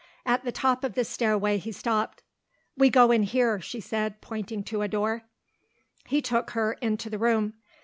At the top of the stairway he stopped. "We go in here," she said, pointing to a door. He took her into the room.